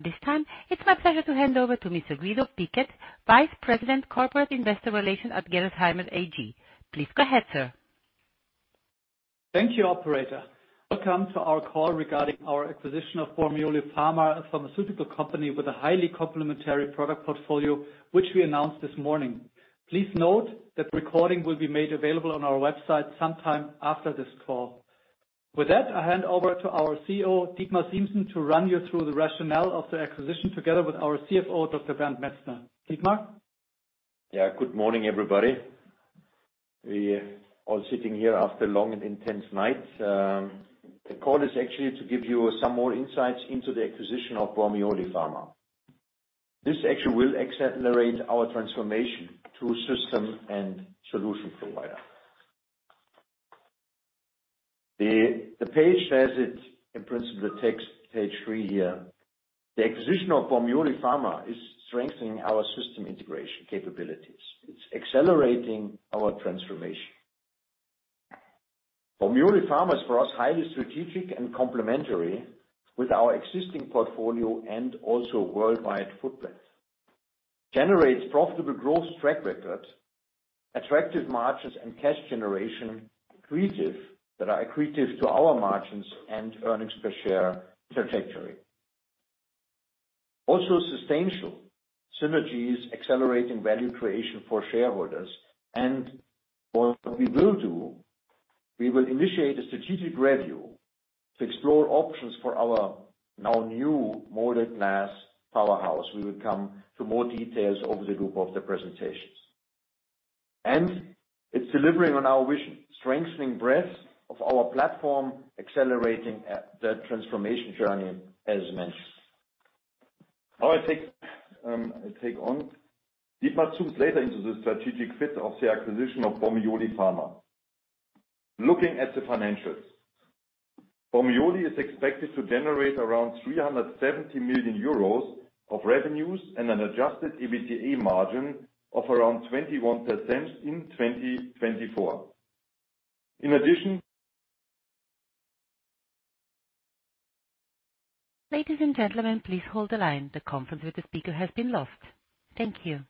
This time, it's my pleasure to hand over to Mr. Guido Pickert, Vice President, Corporate Investor Relations at Gerresheimer AG. Please go ahead, sir. Thank you, operator. Welcome to our call regarding our acquisition of Bormioli Pharma, a pharmaceutical company with a highly complementary product portfolio, which we announced this morning. Please note that recording will be made available on our website sometime after this call. With that, I hand over to our CEO, Dietmar Siemssen, to run you through the rationale of the acquisition together with our CFO, Dr. Bernd Metzner. Dietmar? Yeah, good morning, everybody. We are all sitting here after a long and intense night. The call is actually to give you some more insights into the acquisition of Bormioli Pharma. This actually will accelerate our transformation to system and solution provider. The page says it in principle, text, page three here. The acquisition of Bormioli Pharma is strengthening our system integration capabilities. It's accelerating our transformation. Bormioli Pharma is for us, highly strategic and complementary with our existing portfolio and also worldwide footprint. Generates profitable growth track record, attractive margins and cash generation accretive, that are accretive to our margins and earnings per share trajectory. Also, substantial synergies accelerating value creation for shareholders. And what we will do, we will initiate a strategic review to explore options for our now new molded glass powerhouse. We will come to more details over the group of the presentations. It's delivering on our vision, strengthening breadth of our platform, accelerating the transformation journey, as mentioned. Now, I take, I take on. Dietmar zooms later into the strategic fit of the acquisition of Bormioli Pharma. Looking at the financials, Bormioli is expected to generate around 370 million euros of revenues and an adjusted EBITDA margin of around 21% in 2024. In addition- Ladies and gentlemen, please hold the line. The conference with the speaker has been lost. Thank you.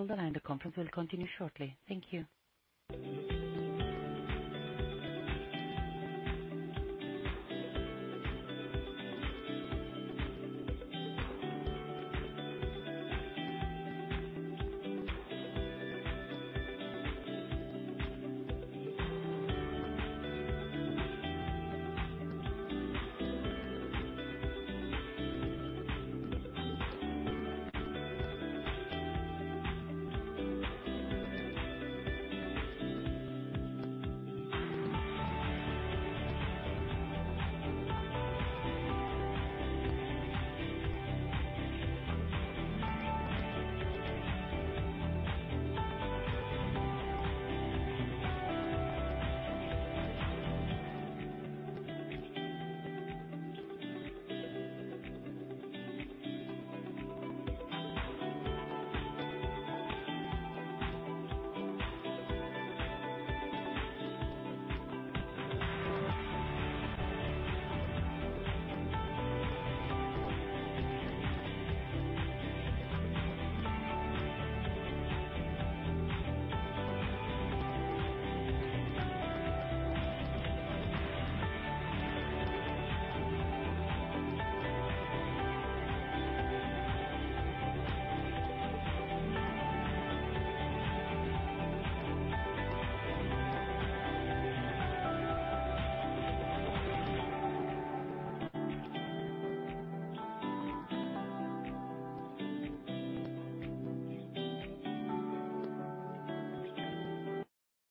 Please hold the line. The conference will continue shortly. Thank you.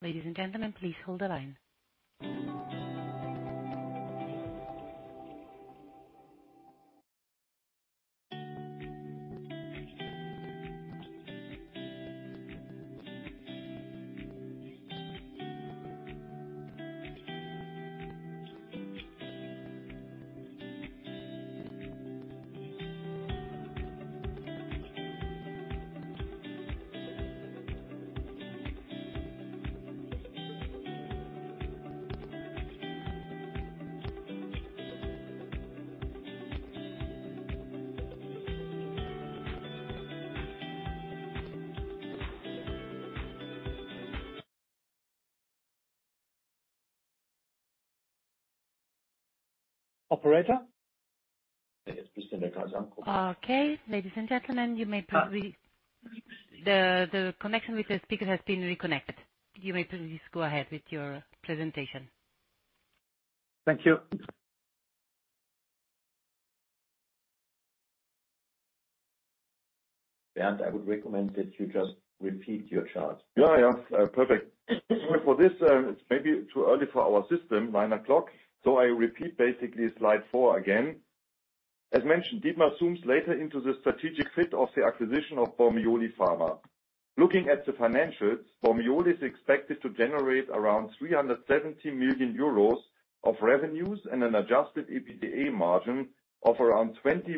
Ladies and gentlemen, please hold the line. Operator? Okay, ladies and gentlemen, you may please. The connection with the speaker has been reconnected. You may please go ahead with your presentation. Thank you. Bernd, I would recommend that you just repeat your chart. Yeah, yeah, perfect. For this, it's maybe too early for our system, 9:00 A.M., so I repeat basically slide four again. As mentioned, Dietmar zooms later into the strategic fit of the acquisition of Bormioli Pharma. Looking at the financials, Bormioli is expected to generate around 370 million euros of revenues and an adjusted EBITDA margin of around 21%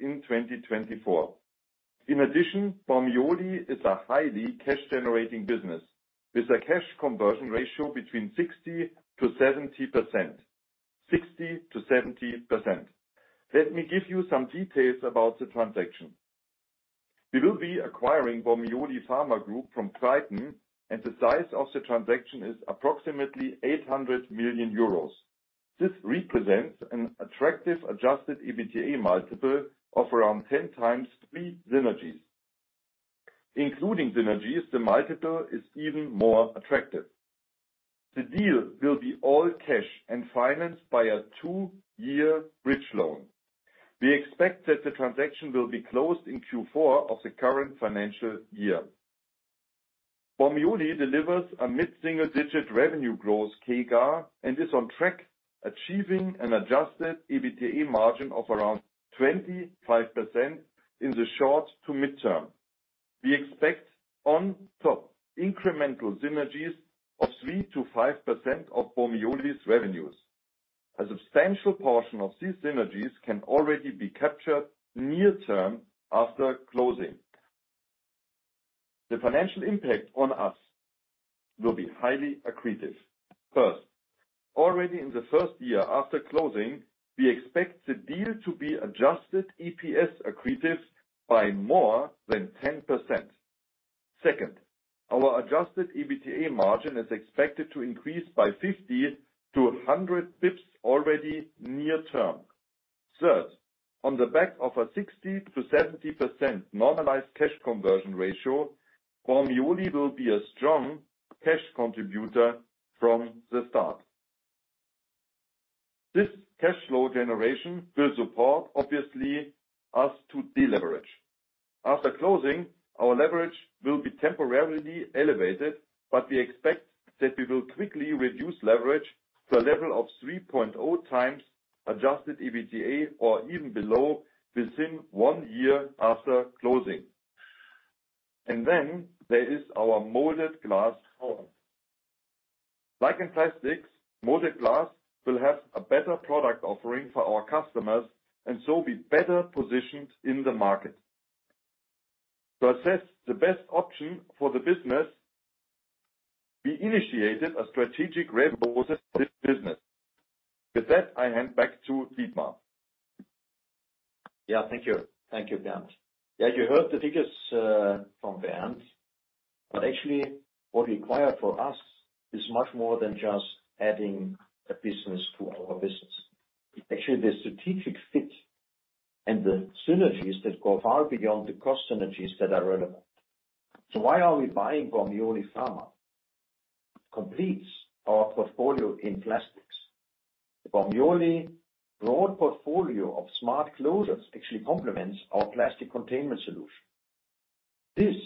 in 2024. In addition, Bormioli is a highly cash-generating business, with a cash conversion ratio between 60%-70%. 60%-70%. Let me give you some details about the transaction. We will be acquiring Bormioli Pharma Group from Triton, and the size of the transaction is approximately 800 million euros. This represents an attractive adjusted EBITDA multiple of around 10x pre-synergies. Including synergies, the multiple is even more attractive. The deal will be all cash and financed by a 2-year bridge loan. We expect that the transaction will be closed in Q4 of the current financial year. Bormioli delivers a mid-single-digit revenue growth CAGR, and is on track, achieving an adjusted EBITDA margin of around 25% in the short to mid-term. We expect, on top, incremental synergies of 3%-5% of Bormioli's revenues. A substantial portion of these synergies can already be captured near term after closing. The financial impact on us will be highly accretive. First, already in the first year after closing, we expect the deal to be adjusted EPS accretive by more than 10%. Second, our adjusted EBITDA margin is expected to increase by 50 basis points-100 basis points already near term. Third, on the back of a 60%-70% normalized cash conversion ratio, Bormioli will be a strong cash contributor from the start. This cash flow generation will support, obviously, us to deleverage. After closing, our leverage will be temporarily elevated, but we expect that we will quickly reduce leverage to a level of 3.0x adjusted EBITDA or even below, within one year after closing. Then there is our molded glass arm. Like in plastics, molded glass will have a better product offering for our customers, and so be better positioned in the market. To assess the best option for the business, we initiated a strategic review process for this business. With that, I hand back to Dietmar. Yeah. Thank you. Thank you, Bernd. Yeah, you heard the figures from Bernd, but actually, what we acquired for us is much more than just adding a business to our business. Actually, the strategic fit and the synergies that go far beyond the cost synergies that are relevant. So why are we buying Bormioli Pharma? Completes our portfolio in plastics. The Bormioli broad portfolio of smart closures actually complements our plastic containment solution. This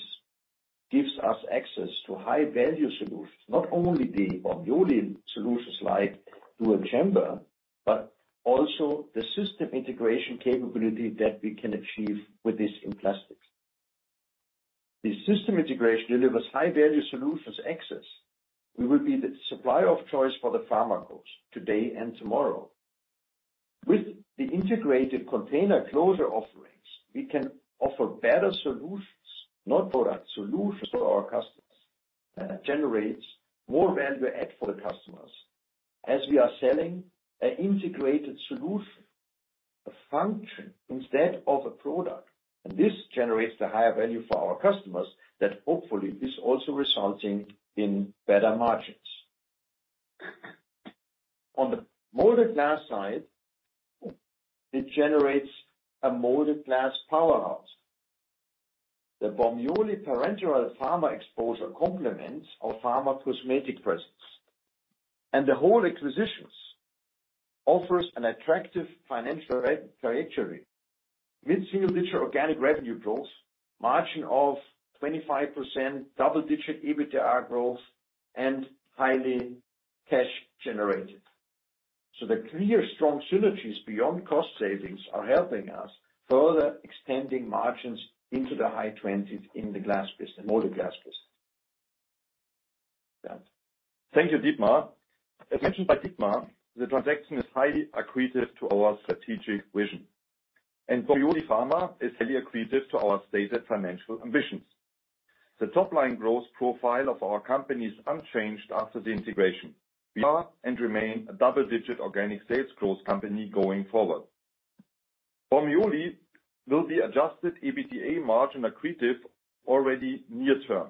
gives us access to high-value solutions, not only the Bormioli solutions like dual chamber, but also the system integration capability that we can achieve with this in plastics. The system integration delivers high-value solutions access. We will be the supplier of choice for the pharma customer, today and tomorrow. With the integrated container closure offerings, we can offer better solutions, not product, solutions for our customers, generates more value add for the customers as we are selling an integrated solution, a function instead of a product. And this generates the higher value for our customers that hopefully is also resulting in better margins. On the molded glass side, it generates a molded glass powerhouse. The Bormioli parenteral pharma exposure complements our pharma cosmetic presence, and the whole acquisitions offers an attractive financial return trajectory with single-digit organic revenue growth, margin of 25%, double-digit EBITDA growth, and highly cash generative. So the clear strong synergies beyond cost savings are helping us further extending margins into the high twenties in the glass business, the molded glass business. Thank you, Dietmar. As mentioned by Dietmar, the transaction is highly accretive to our strategic vision, and Bormioli Pharma is highly accretive to our stated financial ambitions. The top line growth profile of our company is unchanged after the integration. We are and remain a double-digit organic sales growth company going forward. Bormioli Pharma will be Adjusted EBITDA margin accretive already near term.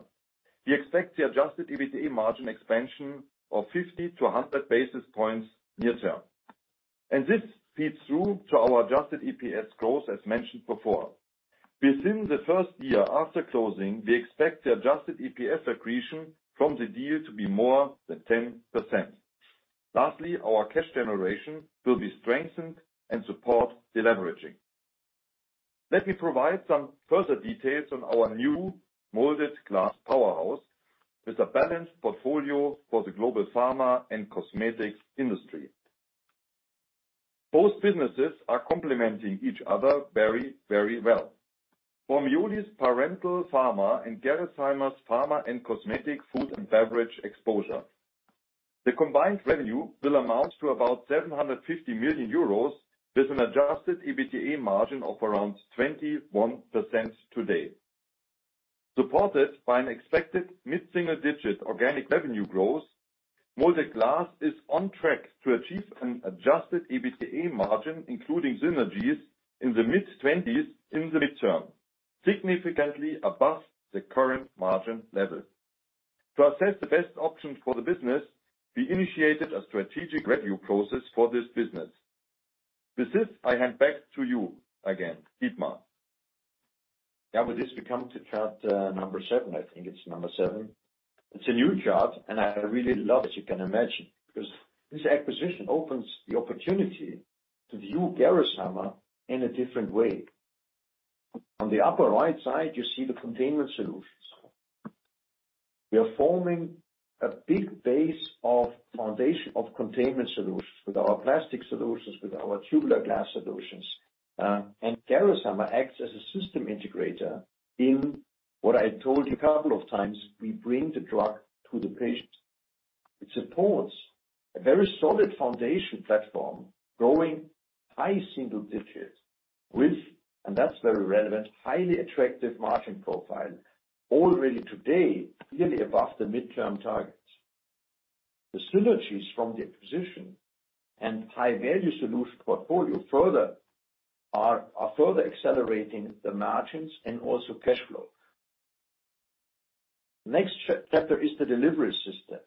We expect the Adjusted EBITDA margin expansion of 50 basis points-100 basis points near term, and this feeds through to our Adjusted EPS growth, as mentioned before. Within the first year after closing, we expect the Adjusted EPS accretion from the deal to be more than 10%. Lastly, our cash generation will be strengthened and support deleveraging. Let me provide some further details on our new molded glass powerhouse, with a balanced portfolio for the global pharma and cosmetics industry. Both businesses are complementing each other very, very well. Bormioli's parenteral pharma and Gerresheimer's pharma and cosmetic, food, and beverage exposure. The combined revenue will amount to about 750 million euros, with an adjusted EBITDA margin of around 21% today. Supported by an expected mid-single-digit organic revenue growth, molded glass is on track to achieve an adjusted EBITDA margin, including synergies, in the mid-20s% in the midterm, significantly above the current margin level. To assess the best option for the business, we initiated a strategic review process for this business. With this, I hand back to you again, Dietmar. Now, with this, we come to chart number seven. I think it's number seven. It's a new chart, and I really love it, as you can imagine, because this acquisition opens the opportunity to view Gerresheimer in a different way. On the upper right side, you see the containment solutions. We are forming a big base of foundation of containment solutions with our plastic solutions, with our tubular glass solutions, and Gerresheimer acts as a system integrator in what I told you a couple of times, we bring the drug to the patient. It supports a very solid foundation platform, growing high single digits with, and that's very relevant, highly attractive margin profile, already today, clearly above the midterm targets. The synergies from the acquisition and high-value solution portfolio further are further accelerating the margins and also cash flow. Next chapter is the delivery systems.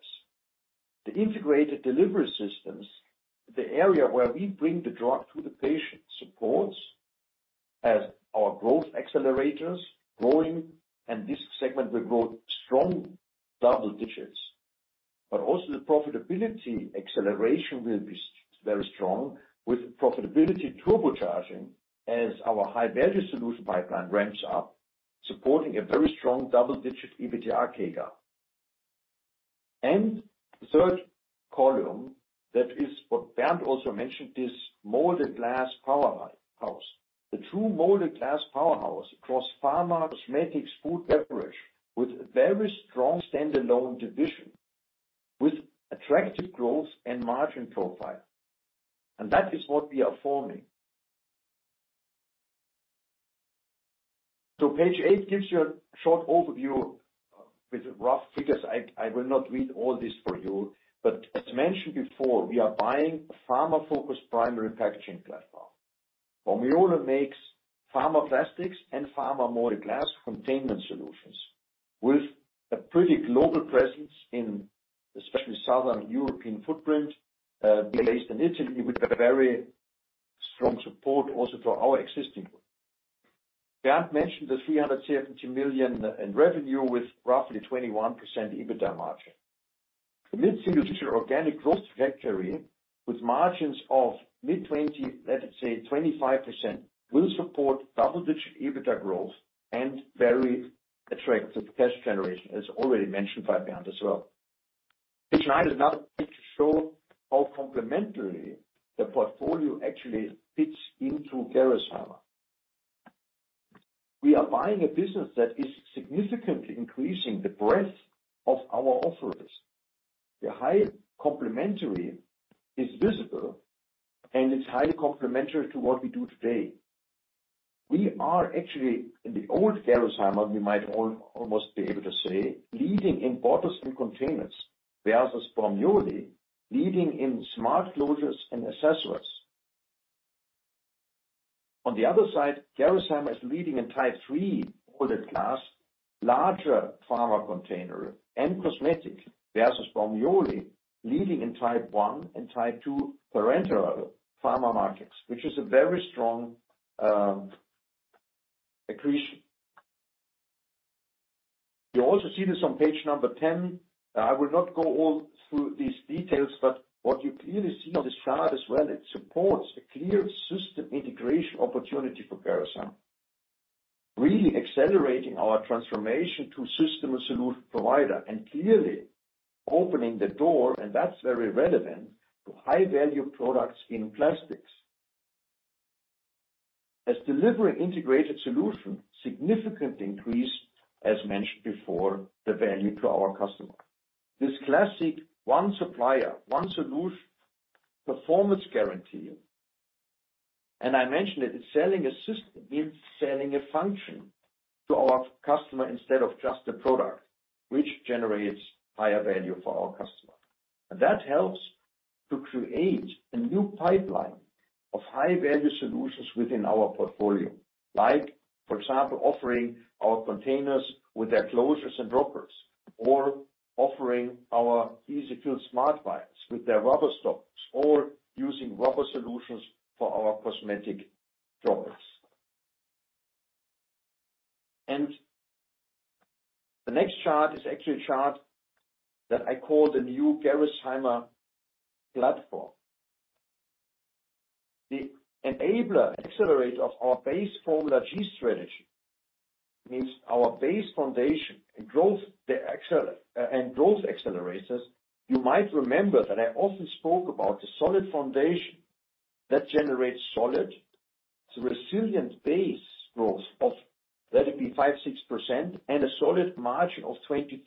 The integrated delivery systems, the area where we bring the drug to the patient, supports as our growth accelerators growing, and this segment will grow strong double digits. But also the profitability acceleration will be very strong, with profitability turbocharging as our high-value solution pipeline ramps up, supporting a very strong double-digit EBITDA CAGR. And the third column, that is what Bernd also mentioned, this molded glass powerhouse. The true molded glass powerhouse across pharma, cosmetics, food, beverage, with a very strong standalone division, with attractive growth and margin profile. And that is what we are forming. So page 8 gives you a short overview with rough figures. I, I will not read all this for you, but as mentioned before, we are buying a pharma-focused primary packaging platform. Bormioli makes pharma plastics and pharma molded glass containment solutions, with a pretty global presence in especially Southern European footprint, based in Italy, with a very strong support also to our existing. Bernd mentioned the 300 million in revenue, with roughly 21% EBITDA margin. The mid-single digit organic growth trajectory, with margins of mid-20%, let's say 25%, will support double-digit EBITDA growth and very attractive cash generation, as already mentioned by Bernd as well. Page nine is now to show how complementary the portfolio actually fits into Gerresheimer. We are buying a business that is significantly increasing the breadth of our offerings. The high complementary is visible, and it's highly complementary to what we do today. We are actually, in the old Gerresheimer, we might almost be able to say, leading in bottles and containers. Versus Bormioli, leading in smart closures and accessories. On the other side, Gerresheimer is leading in Type III molded glass, larger pharma container and cosmetic, versus Bormioli, leading in Type I and Type II parenteral pharma markets, which is a very strong accretion. You also see this on page 10. I will not go all through these details, but what you clearly see on this chart as well, it supports a clear system integration opportunity for Gerresheimer, really accelerating our transformation to system and solution provider and clearly opening the door, and that's very relevant, to high-value products in plastics, as delivering integrated solution significantly increase, as mentioned before, the value to our customer. This classic one supplier, one solution, performance guarantee, and I mentioned it, it's selling a system, it's selling a function to our customer instead of just a product, which generates higher value for our customer. And that helps to create a new pipeline of high-value solutions within our portfolio. Like, for example, offering our containers with their closures and droppers, or offering our EZ-fill smart vials with their rubber stoppers, or using rubber solutions for our cosmetic droppers. And the next chart is actually a chart that I call the new Gerresheimer platform. The enabler accelerator of our base Formula G strategy, means our base foundation and growth, the accelerator and growth accelerators. You might remember that I also spoke about the solid foundation that generates solid, resilient base growth of, let it be 5%-6%, and a solid margin of 23+%.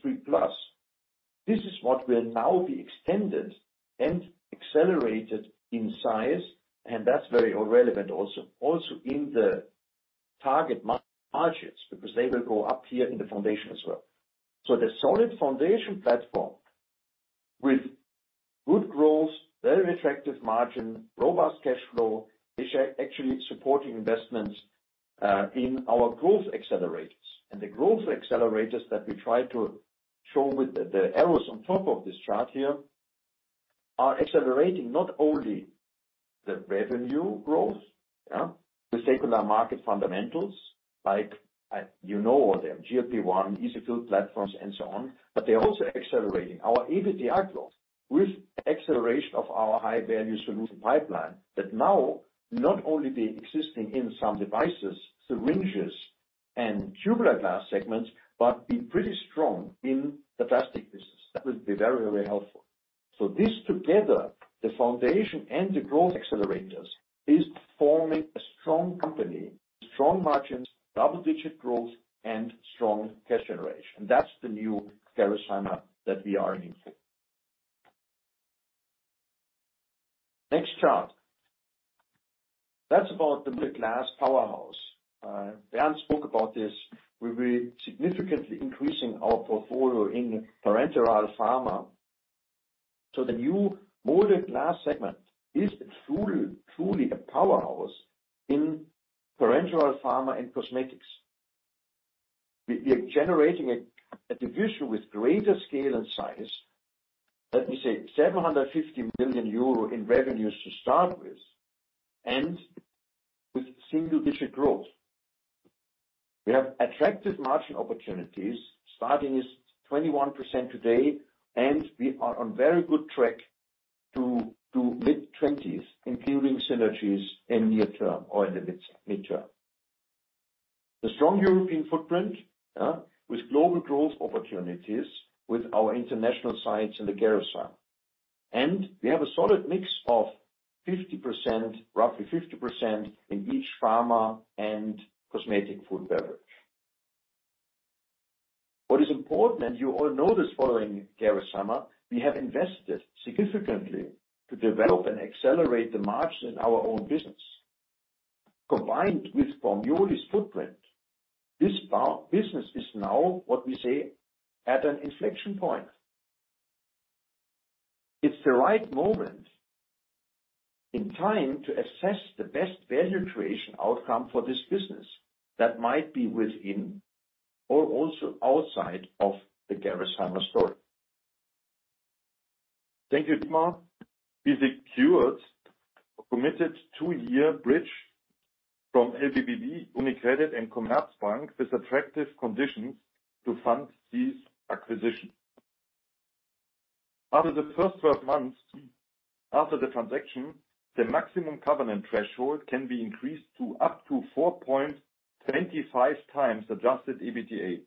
This is what will now be extended and accelerated in size, and that's very relevant also. Also, in the target margins, because they will go up here in the foundation as well. So the solid foundation platform with good growth, very attractive margin, robust cash flow, is actually supporting investments in our growth accelerators. And the growth accelerators that we try to show with the arrows on top of this chart here, are accelerating not only the revenue growth, yeah, the secular market fundamentals, like, you know, them, GLP-1, EZ-fill platforms, and so on. But they're also accelerating our EBITDA growth with acceleration of our high-value solution pipeline, that now not only be existing in some devices, syringes, and tubular glass segments, but be pretty strong in the plastic business. That will be very, very helpful. So this together, the foundation and the growth accelerators, is forming a strong company, strong margins, double-digit growth, and strong cash generation. That's the new Gerresheimer that we are in for. Next chart. That's about the molded glass powerhouse. Bernd spoke about this. We'll be significantly increasing our portfolio in parenteral pharma. So the new molded glass segment is truly, truly a powerhouse in parenteral pharma and cosmetics. We are generating a division with greater scale and size, let me say, 750 million euro in revenues to start with, and with single-digit growth. We have attractive margin opportunities, starting is 21% today, and we are on very good track to mid-20%s, including synergies in near term or in the mid-term. The strong European footprint, with global growth opportunities with our international sites in the Gerresheimer. And we have a solid mix of 50%, roughly 50% in each pharma and cosmetic food beverage. What is important, and you all know this following Gerresheimer, we have invested significantly to develop and accelerate the margin in our own business. Combined with Bormioli's footprint, this Bormioli business is now, what we say, at an inflection point. It's the right moment in time to assess the best value creation outcome for this business that might be within or also outside of the Gerresheimer story. Thank you, Dietmar. We secured a committed 2-year bridge from LBBW, UniCredit, and Commerzbank with attractive conditions to fund this acquisition. After the first 12 months, after the transaction, the maximum covenant threshold can be increased to up to 4.25x Adjusted EBITDA.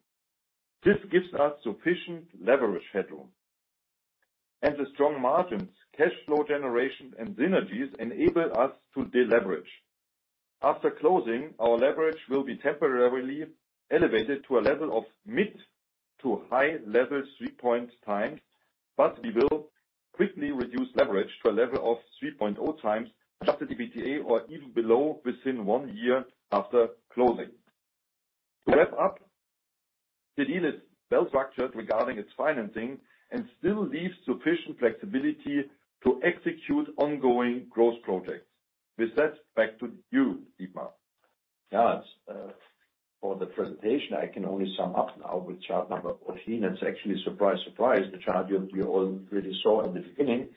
This gives us sufficient leverage headroom, and the strong margins, cash flow generation, and synergies enable us to deleverage. After closing, our leverage will be temporarily elevated to a level of mid- to high-level 3.x times, but we will quickly reduce leverage to a level of 3.0x Adjusted EBITDA, or even below, within 1 year after closing. To wrap up, the deal is well structured regarding its financing and still leaves sufficient flexibility to execute ongoing growth projects. With that, back to you, Dietmar. Yeah, for the presentation, I can only sum up now with chart number 14. It's actually surprise, surprise, the chart you already saw at the beginning.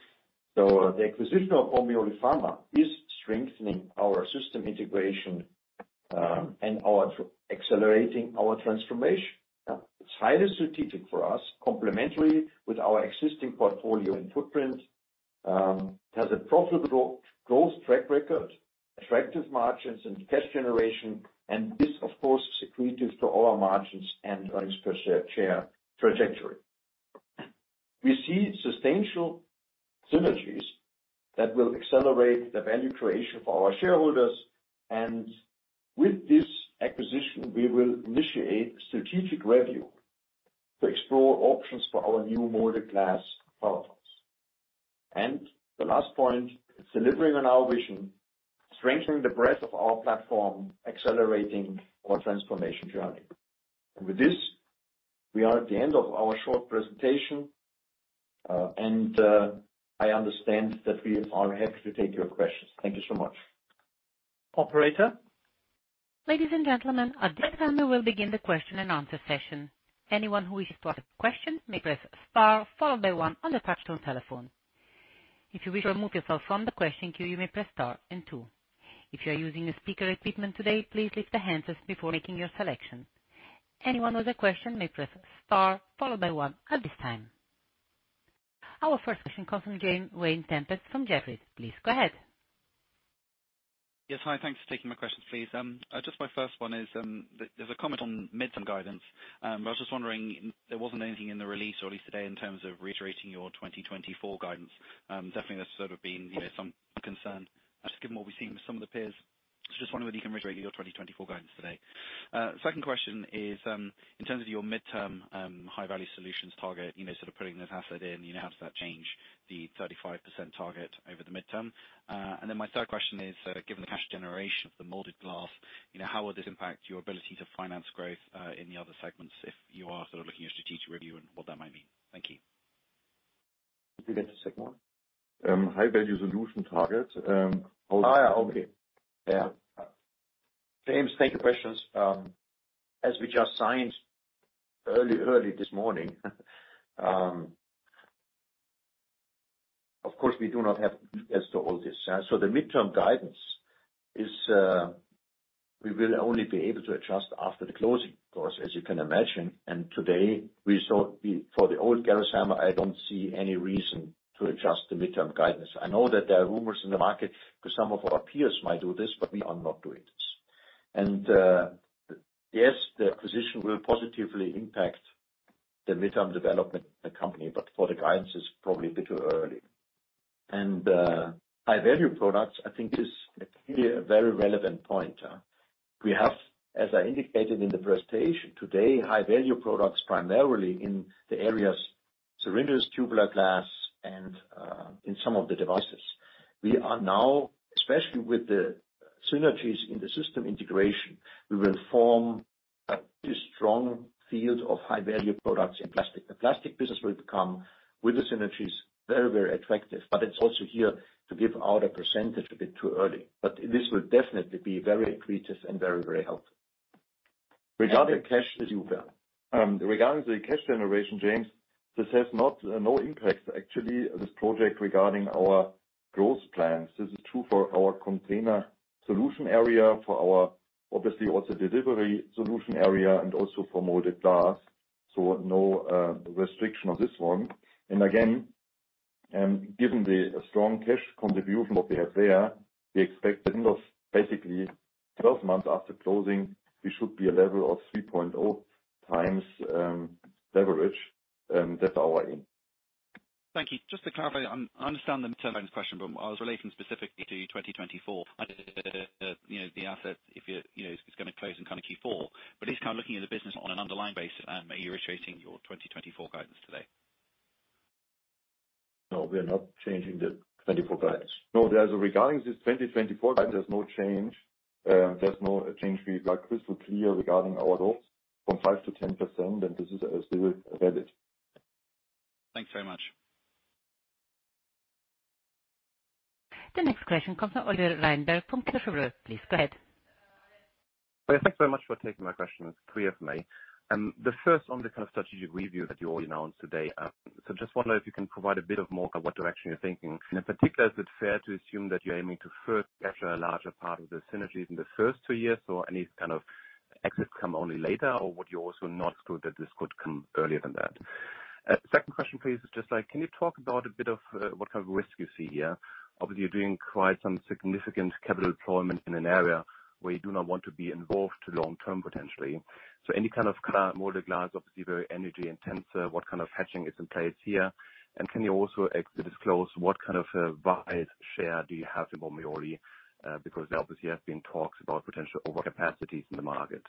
So the acquisition of Bormioli Pharma is strengthening our system integration and accelerating our transformation. Yeah. It's highly strategic for us, complementary with our existing portfolio and footprint, has a profitable growth track record, attractive margins and cash generation, and this, of course, accretive to our margins and earnings per share trajectory.... We see substantial synergies that will accelerate the value creation for our shareholders. And with this acquisition, we will initiate strategic review to explore options for our new molded glass products. And the last point, delivering on our vision, strengthening the breadth of our platform, accelerating our transformation journey. And with this, we are at the end of our short presentation. I understand that we are happy to take your questions. Thank you so much. Operator? Ladies and gentlemen, at this time, we will begin the question and answer session. Anyone who wishes to ask a question may press star followed by one on the touchtone telephone. If you wish to remove yourself from the question queue, you may press star and two. If you are using a speaker equipment today, please lift the handset before making your selection. Anyone with a question may press star followed by one at this time. Our first question comes from James Vane-Tempest from Jefferies. Please go ahead. Yes. Hi, thanks for taking my questions, please. Just my first one is, there's a comment on midterm guidance. I was just wondering, there wasn't anything in the release, or at least today, in terms of reiterating your 2024 guidance. Definitely, that's sort of been, you know, some concern. Just given what we've seen with some of the peers, just wondering whether you can reiterate your 2024 guidance today. Second question is, in terms of your midterm, high-value solutions target, you know, sort of putting this asset in, you know, how does that change the 35% target over the midterm? And then my third question is, given the cash generation of the molded glass, you know, how will this impact your ability to finance growth in the other segments, if you are sort of looking at a strategic review and what that might mean? Thank you. Did you get the second one? High-value solution target. Ah, okay. Yeah. James, thank you for the questions. As we just signed early, early this morning, of course, we do not have as to all this. So the midterm guidance is, we will only be able to adjust after the closing, of course, as you can imagine. And today, we thought for the old Gerresheimer, I don't see any reason to adjust the midterm guidance. I know that there are rumors in the market that some of our peers might do this, but we are not doing this. And, yes, the acquisition will positively impact the midterm development of the company, but for the guidance, it's probably a bit too early. And, high-value products, I think, is clearly a very relevant point. We have, as I indicated in the presentation today, high-value products, primarily in the areas syringes, tubular glass, and in some of the devices. We are now, especially with the synergies in the system integration, we will form a pretty strong field of high-value products in plastic. The plastic business will become, with the synergies, very, very attractive, but it's also here to give out a percentage a bit too early. But this will definitely be very attractive and very, very helpful. Regarding the cash, regarding the cash generation, James, this has not, no impact, actually, this project, regarding our growth plants. This is true for our container solution area, for our, obviously, also delivery solution area, and also for molded glass. So no, restriction on this one. And again, given the strong cash contribution what we have there, we expect end of basically 12 months after closing, we should be a level of 3.0x, leverage, and that's our aim. Thank you. Just to clarify, I understand the midterm guidance question, but I was relating specifically to 2024. I just, you know, the asset, if you, you know, it's gonna close in kind of Q4, but at least kind of looking at the business on an underlying basis, are you reiterating your 2024 guidance today? No, we are not changing the 2024 guidance. No, as regarding this 2024 guidance, there's no change. There's no change. We are crystal clear regarding our goals from 5%-10%, and this is still valid. Thanks very much. The next question comes from Oliver Reinberg from Berenberg. Please, go ahead. Well, thanks very much for taking my questions. Three of me. The first on the kind of strategic review that you already announced today. So just wonder if you can provide a bit of more of what direction you're thinking. And in particular, is it fair to assume that you're aiming to first capture a larger part of the synergies in the first two years, so any kind of exits come only later, or would you also not exclude that this could come earlier than that? Second question, please, is just like, can you talk about a bit of what kind of risk you see here? Obviously, you're doing quite some significant capital deployment in an area where you do not want to be involved long term, potentially. So any kind of current molded glass, obviously, very energy-intensive, what kind of hedging is in place here? Can you also disclose what kind of vial share do you have in Bormioli? Because obviously there have been talks about potential overcapacities in the market.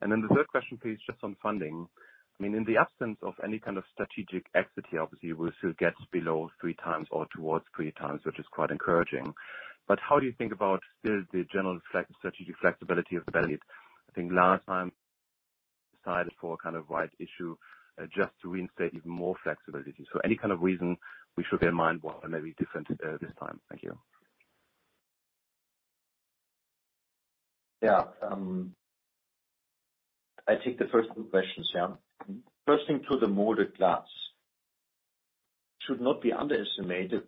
And then the third question, please, just on funding. I mean, in the absence of any kind of strategic exit here, obviously, we still get below three times or towards three times, which is quite encouraging. But how do you think about the general flex, strategic flexibility and leverage? I think last time, you decided for a kind of rights issue, just to reinstate even more flexibility. So any kind of reason we should bear in mind what may be different this time? Thank you. Yeah, I take the first two questions, yeah. First thing, to the molded glass. Should not be underestimated.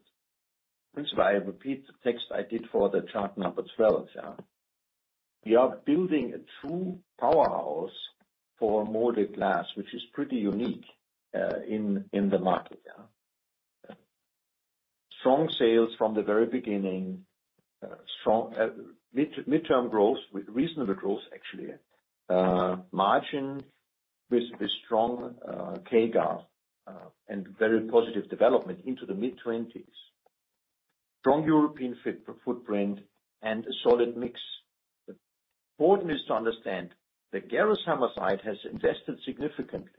First of all, I repeat the text I did for the chart number 12. We are building a true powerhouse for molded glass, which is pretty unique in the market, yeah. Strong sales from the very beginning, strong mid-term growth, with reasonable growth, actually. Margin with strong CAGR and very positive development into the mid-2020s. Strong European footprint and a solid mix. Important is to understand that Gerresheimer site has invested significantly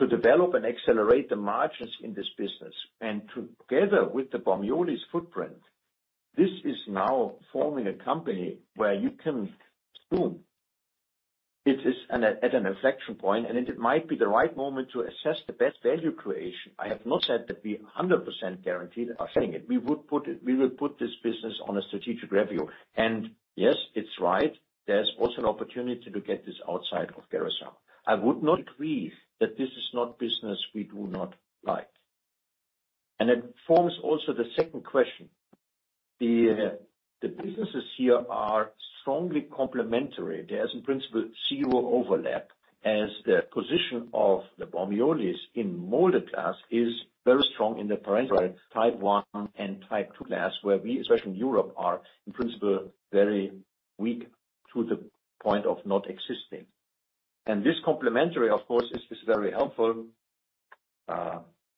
to develop and accelerate the margins in this business. And together with the Bormioli's footprint, this is now forming a company where you can boom! It is at an inflection point, and it might be the right moment to assess the best value creation. I have not said that we 100% guaranteed are selling it. We would put it - we will put this business on a strategic review. And yes, it's right, there's also an opportunity to get this outside of Gerresheimer. I would not believe that this is not business we do not like. And it forms also the second question. The businesses here are strongly complementary. There's, in principle, zero overlap, as the position of the Bormioli's in molded glass is very strong in the parenteral Type I and Type II glass, where we, especially in Europe, are, in principle, very weak to the point of not existing. And this complementary, of course, is, is very helpful,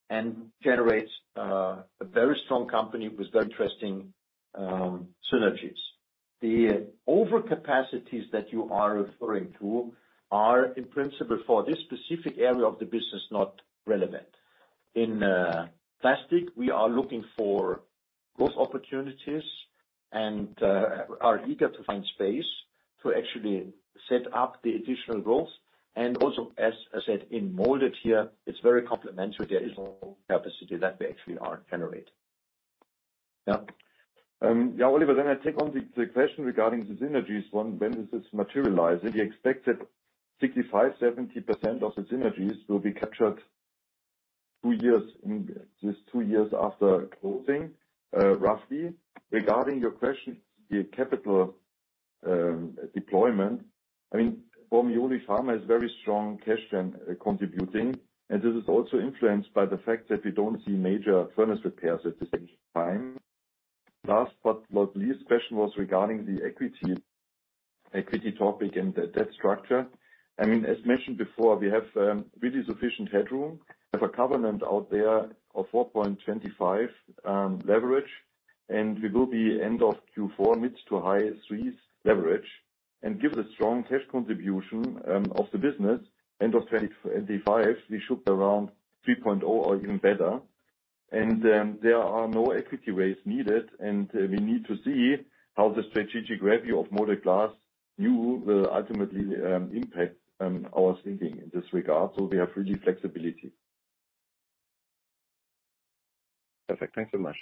and generates a very strong company with very interesting synergies. The overcapacities that you are referring to are, in principle, for this specific area of the business, not relevant. In plastic, we are looking for growth opportunities and are eager to find space to actually set up the additional growth. And also, as I said, in molded here, it's very complementary. There is no capacity that we actually are generating. Yeah. Oliver, then I take on the question regarding the synergies one, when this is materialized, we expect that 65%-70% of the synergies will be captured in just 2 years after closing, roughly. Regarding your question, the capital deployment, I mean, Bormioli Pharma has very strong cash and contributing, and this is also influenced by the fact that we don't see major furnace repairs at the same time. Last but not least, question was regarding the equity topic and the debt structure. I mean, as mentioned before, we have really sufficient headroom. We have a covenant out there of 4.25x leverage, and we will be end of Q4, mid- to high 3s leverage. Given the strong cash contribution of the business, end of 2025, we should be around 3.0x or even better. There are no equity rates needed, and we need to see how the strategic review of molded glass new will ultimately impact our thinking in this regard. So we have really flexibility. Perfect. Thanks so much.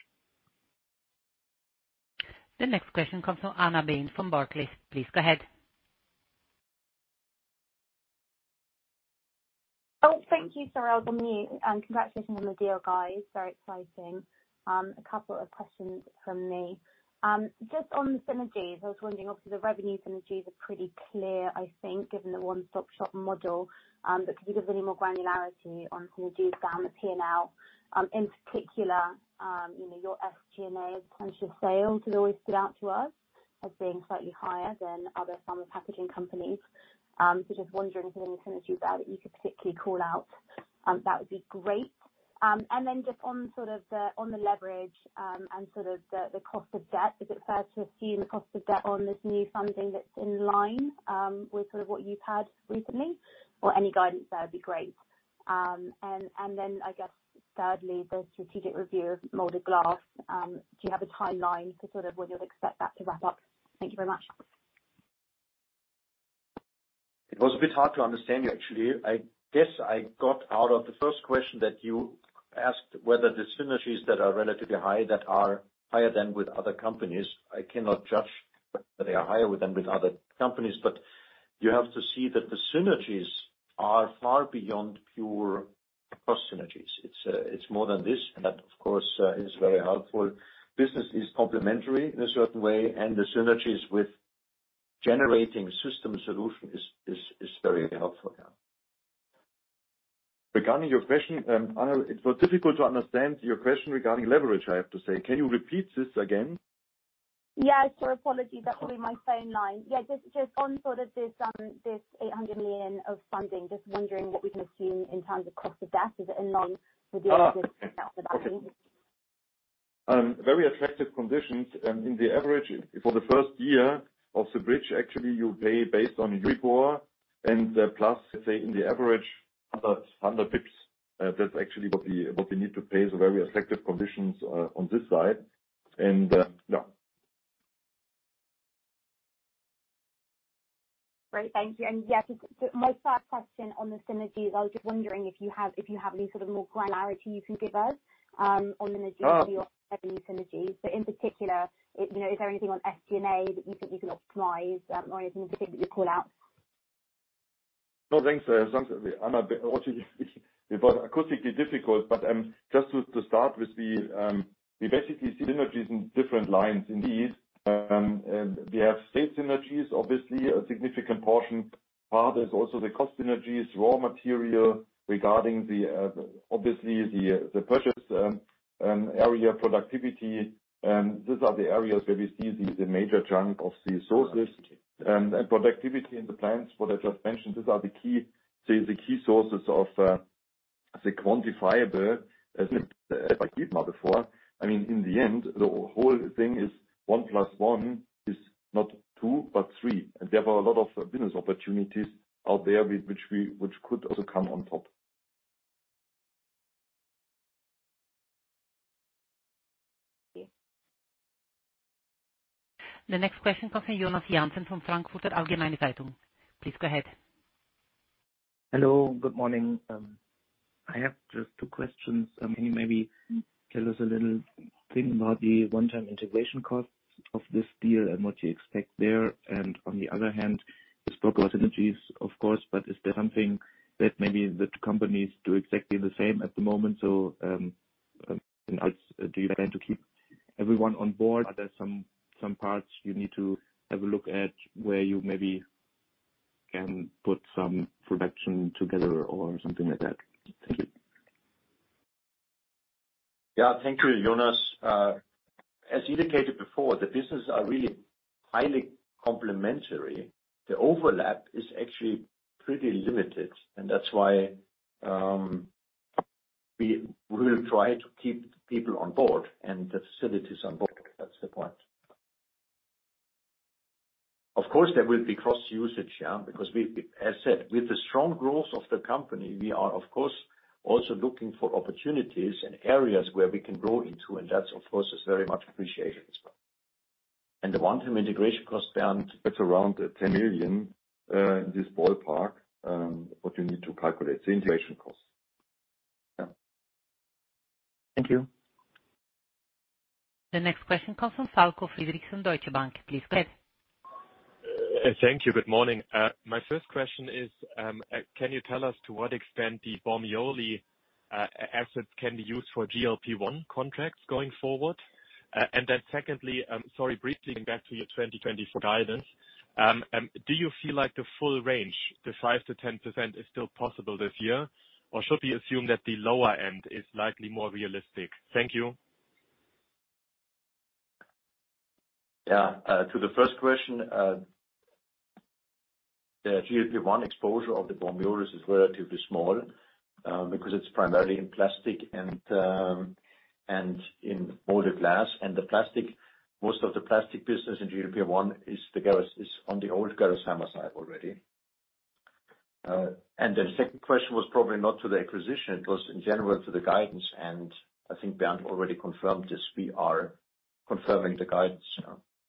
The next question comes from Anna [Belle] from Barclays. Please go ahead. Oh, thank you, sir. I was on mute. Congratulations on the deal, guys. Very exciting. A couple of questions from me. Just on the synergies, I was wondering, obviously, the revenue synergies are pretty clear, I think, given the one-stop-shop model. But could you give any more granularity on synergies down the P&L? In particular, you know, your SG&A potential sales has always stood out to us as being slightly higher than other pharma packaging companies. So just wondering if there any synergies there that you could particularly call out, that would be great. And then just on the leverage, and the cost of debt, is it fair to assume the cost of debt on this new funding that's in line with what you've had recently? Or any guidance there would be great. And then, I guess, thirdly, the strategic review of molded glass, do you have a timeline for sort of when you'd expect that to wrap up? Thank you very much. It was a bit hard to understand you, actually. I guess I got out of the first question that you asked, whether the synergies that are relatively high, that are higher than with other companies. I cannot judge, that they are higher than with other companies, but you have to see that the synergies are far beyond pure cost synergies. It's more than this, and that, of course, is very helpful. Business is complementary in a certain way, and the synergies with generating system solution is very helpful, yeah. Regarding your question, Anna, it was difficult to understand your question regarding leverage, I have to say. Can you repeat this again? Yes, sir. Apologies. That was my phone line. Yeah, just, just on sort of this, this 800 million of funding, just wondering what we can assume in terms of cost of debt. Is it in line with the- Ah! Okay. Very attractive conditions, in the average for the first year of the bridge. Actually, you pay based on EURIBOR, and plus, let's say, in the average, 100 basis points. That's actually what we need to pay, so very effective conditions on this side. Yeah. Great. Thank you. And, yeah, so my third question on the synergies, I was just wondering if you have, if you have any sort of more granularity you can give us on the synergies? But in particular, you know, is there anything on SG&A that you think you can optimize, or anything that you call out? No, thanks, thanks, Anna, but also it was acoustically difficult, but just to start with the-, we basically see synergies in different lines indeed. And we have state synergies, obviously, a significant portion. Part is also the cost synergies, raw material, regarding the, obviously, the, the purchase, area productivity. These are the areas where we see the major chunk of the sources. And productivity in the plants, what I just mentioned, these are the key sources of the quantifiable as before. I mean, in the end, the whole thing is one plus one is not two, but three. And there are a lot of business opportunities out there with which could also come on top. The next question comes from Jonas Jansen from Frankfurter Allgemeine Zeitung. Please go ahead. Hello, good morning. I have just two questions. Can you maybe tell us a little thing about the one-time integration costs of this deal and what you expect there? And on the other hand, you spoke about synergies, of course, but is there something that maybe the two companies do exactly the same at the moment? So, do you plan to keep everyone on board? Are there some parts you need to have a look at where you maybe can put some production together or something like that? Thank you. Yeah. Thank you, Jonas. As indicated before, the businesses are really highly complementary. The overlap is actually pretty limited, and that's why we will try to keep people on board and the facilities on board. That's the point. Of course, there will be cross-usage, yeah, because we, as said, with the strong growth of the company, we are, of course, also looking for opportunities and areas where we can grow into, and that, of course, is very much appreciation. And the one-time integration costs, Bernd.It's around 10 million in this ballpark, what you need to calculate the integration costs. Yeah. Thank you. The next question comes from Falko Friedrichs from Deutsche Bank. Please go ahead. Thank you. Good morning. My first question is, can you tell us to what extent the Bormioli assets can be used for GLP-1 contracts going forward? And then secondly, sorry, briefly back to your 2020 guidance. Do you feel like the full range, the 5%-10%, is still possible this year? Or should we assume that the lower end is likely more realistic? Thank you. Yeah. To the first question, the GLP-1 exposure of the Bormioli's is relatively small, because it's primarily in plastic and in molded glass. And the plastic, most of the plastic business in GLP-1 is on the old Gerresheimer side already. And the second question was probably not to the acquisition. It was in general to the guidance, and I think Bernd already confirmed this. We are confirming the guidance.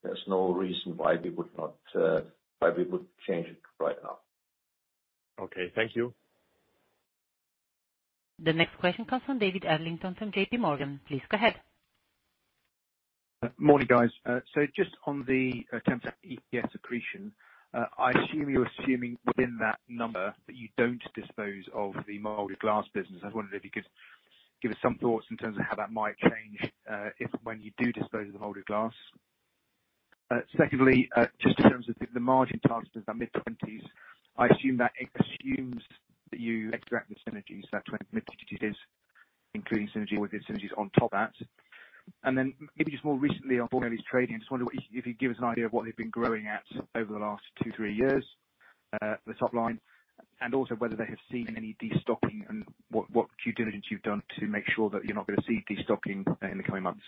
There's no reason why we would not change it right now. Okay. Thank you. The next question comes from David Adlington from J.P. Morgan. Please go ahead. Morning, guys. So just on the temp EPS accretion, I assume you're assuming within that number that you don't dispose of the molded glass business. I was wondering if you could give us some thoughts in terms of how that might change if when you do dispose of the molded glass. Secondly, just in terms of the margin targets, the mid-20%s, I assume that assumes that you extract the synergies, that 20% mid-20%s, including synergy, with the synergies on top of that. And then maybe just more recently on Bormioli's trading, I just wonder if you could give us an idea of what they've been growing at over the last 2 years-3 years, the top line, and also whether they have seen any destocking and what due diligence you've done to make sure that you're not going to see destocking in the coming months?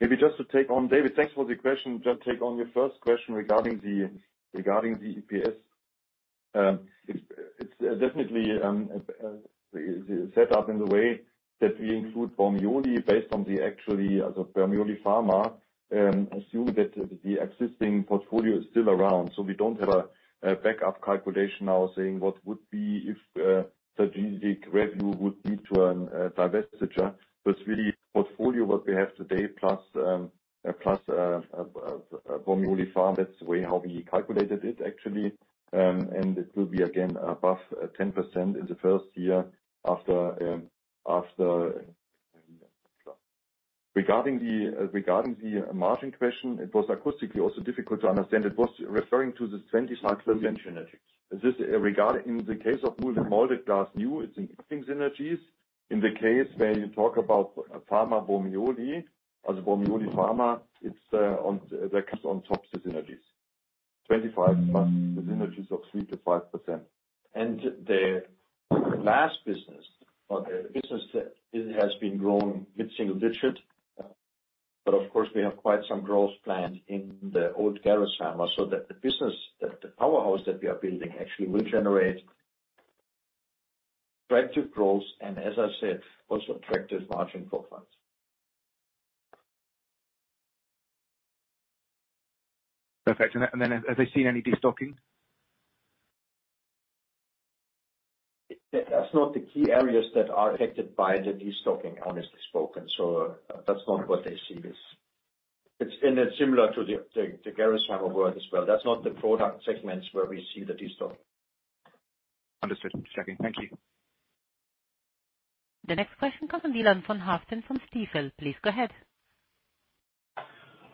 Thanks. Maybe just to take on, David, thanks for the question. Just take on your first question regarding the EPS. It's definitely set up in the way that we include Bormioli, based on, actually, as Bormioli Pharma, assume that the existing portfolio is still around. So we don't have a backup calculation now saying what would be if the generic revenue would lead to a divestiture. But really, portfolio, what we have today, plus Bormioli Pharma, that's the way how we calculated it actually. And it will be again above 10% in the first year after... Regarding the margin question, it was acoustically also difficult to understand. It was referring to the 25% synergies. In this regard, in the case of molded glass, new, it's existing synergies. In the case where you talk about Bormioli Pharma, as Bormioli Pharma, it's, that's on top, the synergies. 25, plus the synergies of 3%-5%. The last business, or the business that it has been growing mid-single digit. But of course, we have quite some growth planned in the old Gerresheimer, so that the business, that the powerhouse that we are building actually will generate attractive growth, and as I said, also attractive margin profiles. Perfect. And then, have they seen any destocking? That's not the key areas that are affected by the destocking, honestly spoken, so that's not what they see. It's, and it's similar to the Gerresheimer world as well. That's not the product segments where we see the distortion. Understood. Checking. Thank you. The next question comes from Dylan Van Haaften from Stifel. Please go ahead.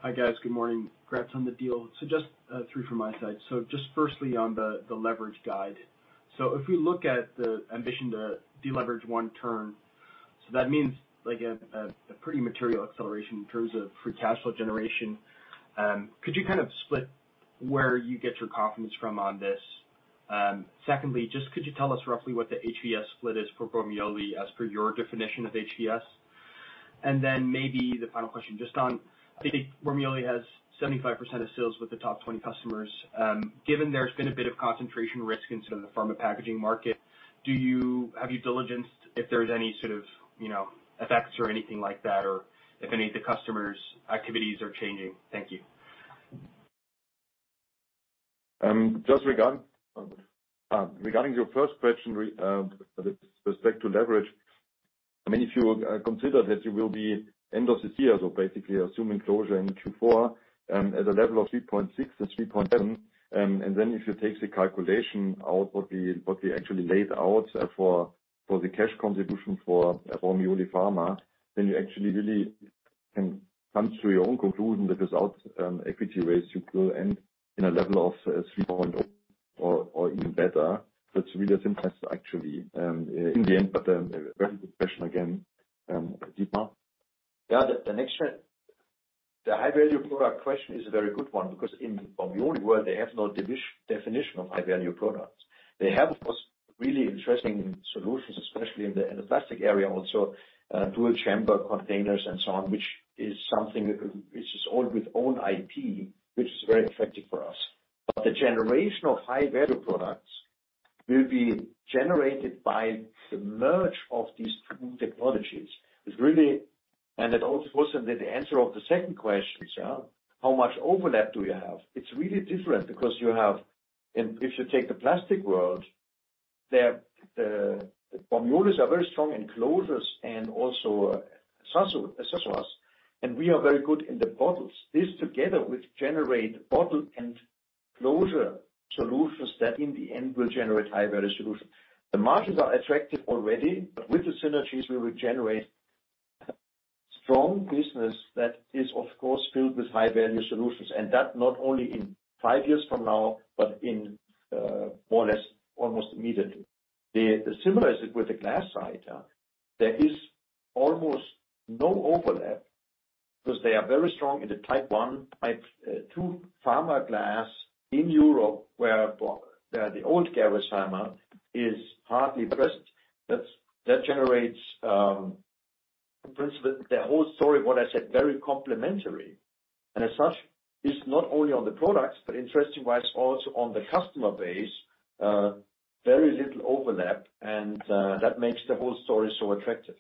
Hi, guys. Good morning. Congrats on the deal. So just three from my side. So just firstly, on the leverage guide. So if we look at the ambition to deleverage one turn, so that means, like, a pretty material acceleration in terms of free cash flow generation. Could you kind of split where you get your confidence from on this? Secondly, just could you tell us roughly what the HVS split is for Bormioli, as per your definition of HVS? And then maybe the final question, just on, I think Bormioli has 75% of sales with the top 20 customers. Given there's been a bit of concentration risk in sort of the pharma packaging market, do you have you diligenced if there's any sort of, you know, effects or anything like that, or if any of the customers' activities are changing? Thank you. Just regarding your first question, with respect to leverage, I mean, if you consider that you will be at the end of this year, so basically assuming closure in Q4, at a level of 3.6 and 3.7, and then if you take the calculation out, what we actually laid out for the cash contribution for Bormioli Pharma, then you actually really can come to your own conclusion that without equity raise, you will end in a level of 3.0, or even better. So it's really as simple as actually in the end, but a very good question again, Dylan. Yeah, the next one, the high-value product question is a very good one, because in Bormioli world, they have no definition of high-value products. They have, of course, really interesting solutions, especially in the plastic area, also dual-chamber containers and so on, which is something that, which is all with own IP, which is very effective for us. But the generation of high-value products will be generated by the merge of these two technologies. It's really, and it also wasn't the answer of the second question, so how much overlap do we have? It's really different because you have, and if you take the plastic world, the Bormiolis are very strong in closures and also accessories, and we are very good in the bottles. This, together, will generate bottle and closure solutions that, in the end, will generate high-value solutions. The margins are attractive already, but with the synergies, we will generate strong business that is, of course, filled with high-value solutions, and that not only in five years from now, but in more or less almost immediately. Similar as with the glass side, there is almost no overlap, because they are very strong in the type one, type two pharma glass in Europe, where the old Gerresheimer is hardly present. That generates, in principle, the whole story, what I said, very complementary. And as such, it's not only on the products, but interestingly, why it's also on the customer base, very little overlap, and that makes the whole story so attractive.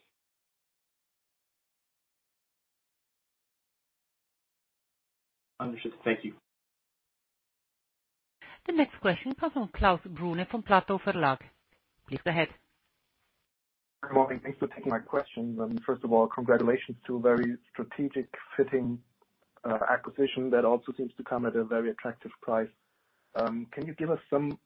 Understood. Thank you. The next question comes from Klaus Brune from PLATOW Verlag. Please go ahead. Good morning. Thanks for taking my question. First of all, congratulations to a very strategic fitting acquisition that also seems to come at a very attractive price. Can you give us some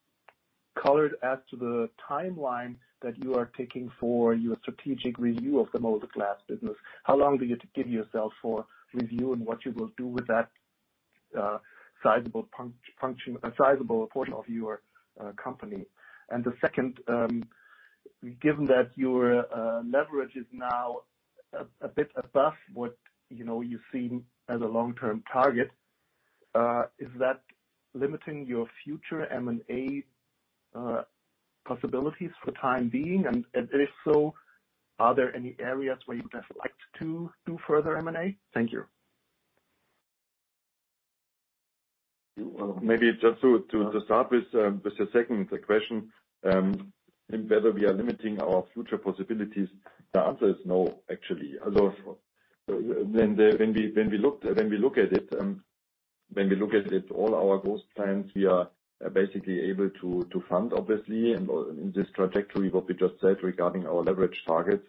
color as to the timeline that you are taking for your strategic review of the molded glass business? How long do you give yourself for review, and what you will do with that sizable portion of your company? And the second, given that your leverage is now a bit above what, you know, you've seen as a long-term target, is that limiting your future M&A possibilities for the time being? And if so, are there any areas where you would have liked to do further M&A? Thank you. Well, maybe just to start with the second question, and whether we are limiting our future possibilities, the answer is no, actually. Although, when we look at it, when we look at it, all our growth plans, we are basically able to fund, obviously, and in this trajectory, what we just said regarding our leverage targets.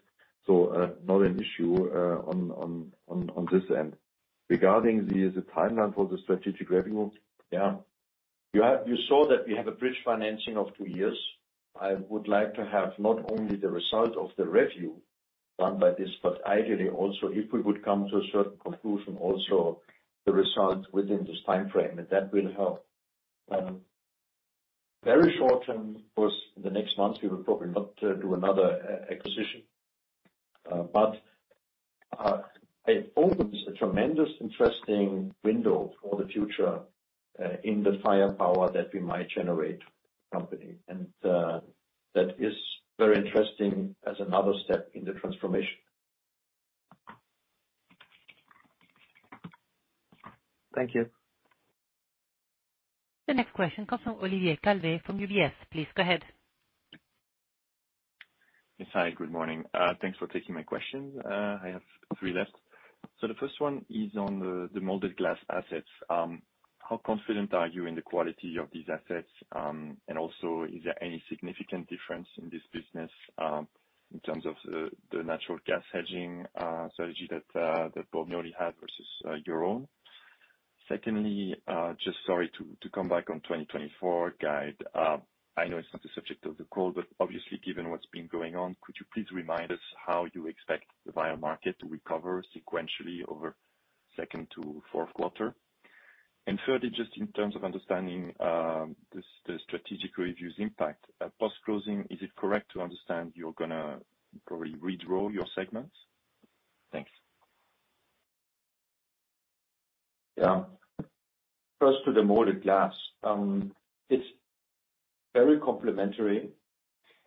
So, not an issue on this end. Regarding the timeline for the strategic review, yeah, you saw that we have a bridge financing of two years. I would like to have not only the result of the review done by this, but ideally also, if we would come to a certain conclusion, also the result within this time frame, and that will help. Very short term, of course, in the next month, we will probably not do another acquisition. But it opens a tremendous interesting window for the future, in the firepower that we might generate company. And that is very interesting as another step in the transformation. Thank you. The next question comes from Olivier Calvet from UBS. Please go ahead. Yes, hi, good morning. Thanks for taking my question. I have three left. So the first one is on the molded glass assets. How confident are you in the quality of these assets? And also, is there any significant difference in this business in terms of the natural gas hedging strategy that Bormioli had versus your own? Secondly, just sorry to come back on 2024 guide. I know it's not the subject of the call, but obviously, given what's been going on, could you please remind us how you expect the vial market to recover sequentially over second to fourth quarter? And thirdly, just in terms of understanding the strategic review's impact post-closing, is it correct to understand you're gonna probably redraw your segments? Thanks. Yeah. First, to the molded glass, it's very complementary,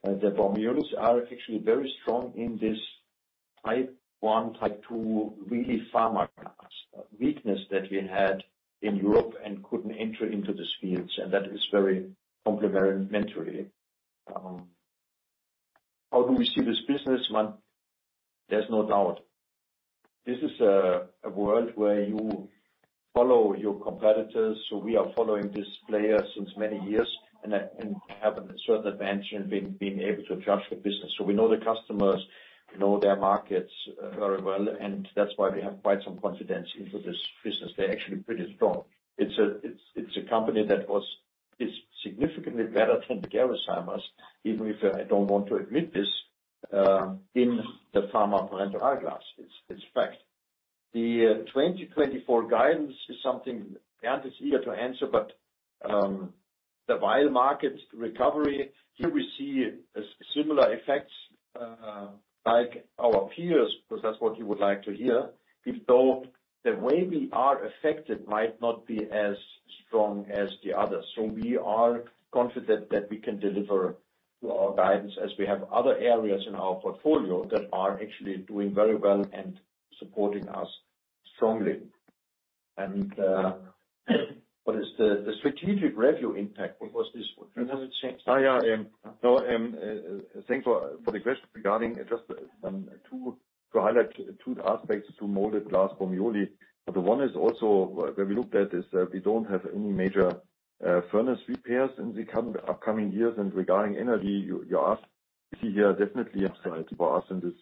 and the Bormiolis are actually very strong in this type one, type two, really pharma glass. A weakness that we had in Europe and couldn't enter into this fields, and that is very complementary. How do we see this business run? There's no doubt. This is a world where you follow your competitors, so we are following this player since many years, and have a certain advantage in being able to judge the business. So we know the customers, we know their markets very well, and that's why we have quite some confidence into this business. They're actually pretty strong. It's a company that is significantly better than the Gerresheimers, even if I don't want to admit this, in the pharma parenteral glass, it's fact. The 2024 guidance is something Bernd is here to answer, but the vial market recovery, here we see similar effects like our peers, because that's what you would like to hear, even though the way we are affected might not be as strong as the others. So we are confident that we can deliver to our guidance, as we have other areas in our portfolio that are actually doing very well and supporting us strongly. And what is the strategic review impact? What was this? You haven't changed. Oh, yeah, no, thanks for the question regarding just to highlight two aspects to molded glass Bormioli. The one is also where we looked at is we don't have any major furnace repairs in the coming upcoming years. And regarding energy, you ask see here, definitely upside for us in this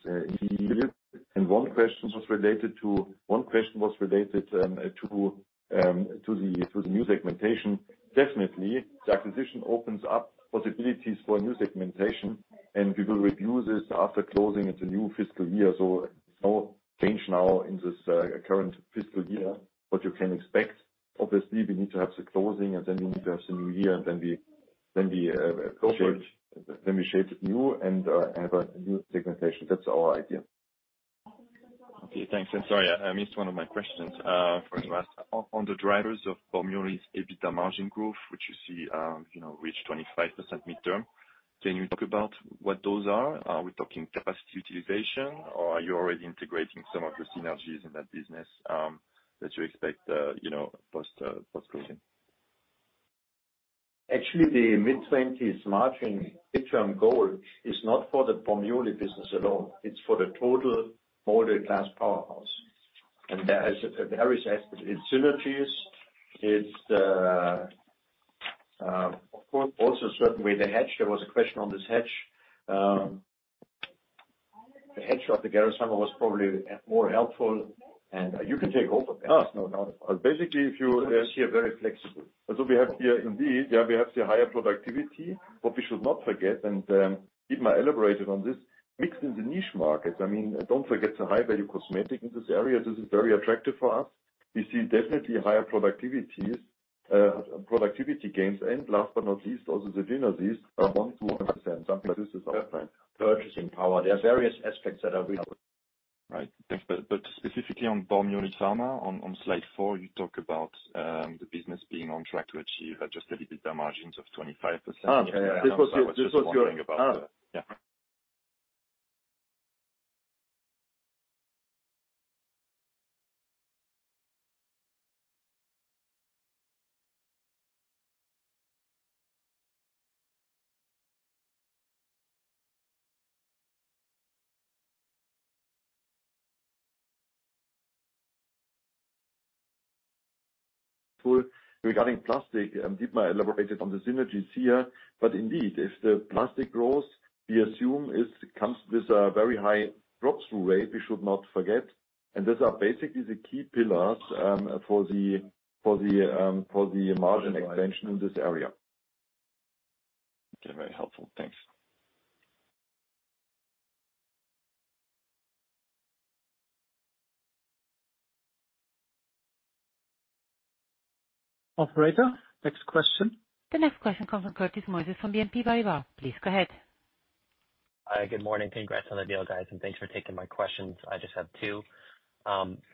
in the year. And one question was related to the new segmentation. Definitely, the acquisition opens up possibilities for a new segmentation, and we will review this after closing in the new fiscal year. So no change now in this current fiscal year. What you can expect, obviously, we need to have the closing, and then we need to have the new year, and then we approach, then we shape it new and have a new segmentation. That's our idea. Okay, thanks, and sorry, I missed one of my questions. First, on, on the drivers of Bormioli's EBITDA margin growth, which you see, you know, reach 25% midterm, can you talk about what those are? Are we talking capacity utilization, or are you already integrating some of the synergies in that business, that you expect, you know, post, post-closing? Actually, the mid-twenties margin midterm goal is not for the Bormioli business at all. It's for the total molded glass powerhouse. And there is various aspects. It's synergies, it's of course, also a certain way, the hedge. There was a question on this hedge. The hedge of the Gerresheimer was probably more helpful, and you can take over. Ah. No, no. Basically, if you-See, are very flexible. So we have here, indeed, yeah, we have the higher productivity. What we should not forget, and, Dietmar elaborated on this, mixed in the niche markets. I mean, don't forget the high-value cosmetic in this area. This is very attractive for us. We see definitely higher productivities, productivity gains, and last but not least, also the synergies are 1%-100%, something. This is our plan. Purchasing power. There are various aspects that are available. Right. Thanks. But, but specifically on Bormioli Pharma, on slide four, you talk about the business being on track to achieve adjusted EBITDA margins of 25%. Ah, this was your- Just wondering about it. Yeah. Regarding plastic, Dietmar elaborated on the synergies here, but indeed, if the plastic grows, we assume it comes with a very high drop-through rate, we should not forget. Those are basically the key pillars for the margin expansion in this area. Okay, very helpful. Thanks. Operator, next question. The next question comes from from BNP Paribas. Please go ahead. Good morning. Congrats on the deal, guys, and thanks for taking my questions. I just have two.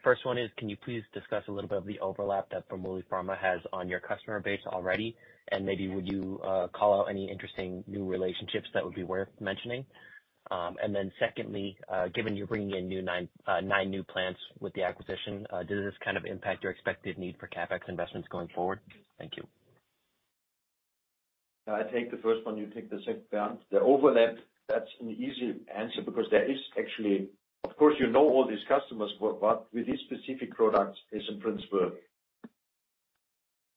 First one is, can you please discuss a little bit of the overlap that Bormioli Pharma has on your customer base already? And maybe would you call out any interesting new relationships that would be worth mentioning? And then secondly, given you're bringing in nine new plants with the acquisition, does this kind of impact your expected need for CapEx investments going forward? Thank you. I take the first one, you take the second. The overlap, that's an easy answer, because there is actually, of course, you know all these customers, but, but with these specific products, it's in principle,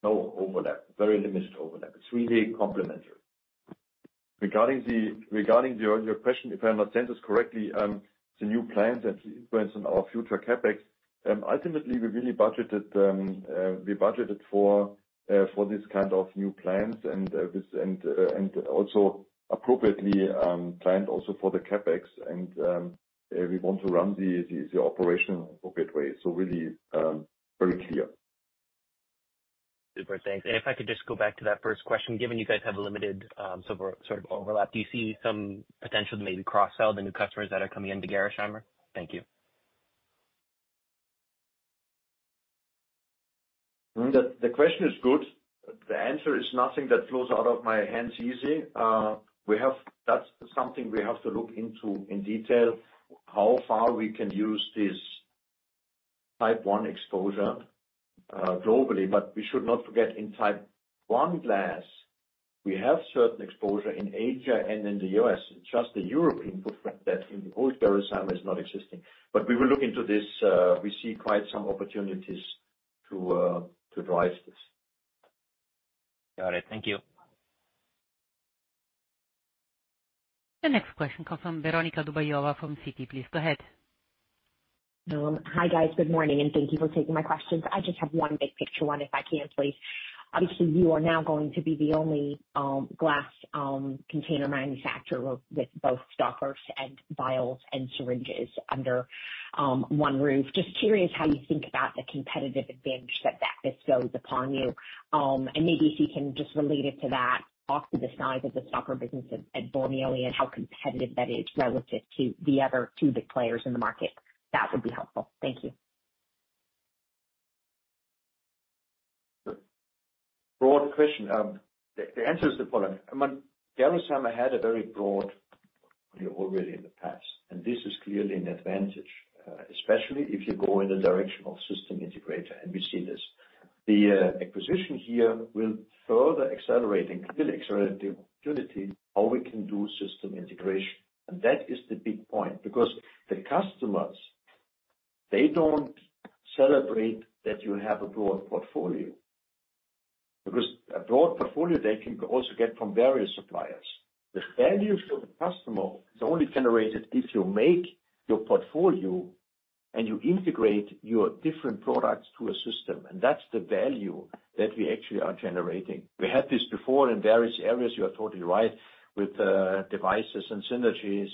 no overlap, very limited overlap. It's really complementary. Regarding your question, if I understand this correctly, the new plans that influence on our future CapEx, ultimately, we really budgeted for this kind of new plans and also appropriately planned also for the CapEx, and we want to run the operation appropriate way, so really very clear. Super. Thanks. If I could just go back to that first question. Given you guys have a limited, sort of, sort of overlap, do you see some potential to maybe cross-sell the new customers that are coming in to Gerresheimer? Thank you. The question is good. The answer is nothing that flows out of my hands easy. That's something we have to look into in detail, how far we can use this Type I exposure globally. But we should not forget, in Type I glass, we have certain exposure in Asia and in the US. It's just the European footprint that in the old Gerresheimer is not existing. But we will look into this. We see quite some opportunities to drive this. Got it. Thank you. The next question comes from Veronika Dubajova from Citi. Please, go ahead. Hi, guys. Good morning, and thank you for taking my questions. I just have one big picture one, if I can, please. Obviously, you are now going to be the only glass container manufacturer with both stoppers and vials and syringes under one roof. Just curious how you think about the competitive advantage that this bestows upon you. And maybe if you can just relate it to that, talk to the size of the stopper business at Bormioli and how competitive that is relative to the other two big players in the market. That would be helpful. Thank you. Broad question. The answer is the following: I mean, Gerresheimer had a very broad already in the past, and this is clearly an advantage, especially if you go in the direction of system integrator, and we see this. The acquisition here will further accelerating, really accelerate the ability how we can do system integration. And that is the big point, because the customers, they don't celebrate that you have a broad portfolio. Because a broad portfolio, they can also get from various suppliers. The value for the customer is only generated if you make your portfolio and you integrate your different products to a system, and that's the value that we actually are generating. We had this before in various areas, you are totally right, with devices and synergies,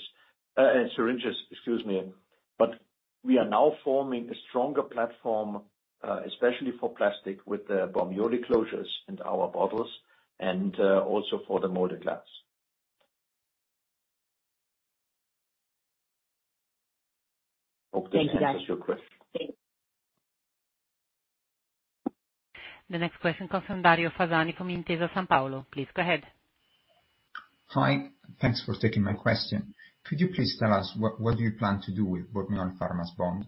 and syringes, excuse me. But we are now forming a stronger platform, especially for plastic, with the Bormioli closures and our bottles, and also for the molded glass. Hope that answers your question. Thanks, guys. Thanks. The next question comes from Dario Fasani, from Intesa Sanpaolo. Please, go ahead. Hi. Thanks for taking my question. Could you please tell us what do you plan to do with Bormioli Pharma's bond?